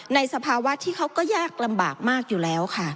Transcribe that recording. สภาวะที่เขาก็ยากลำบากมากอยู่แล้วค่ะ